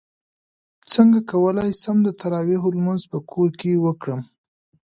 څنګه کولی شم د تراویحو لمونځ په کور کې وکړم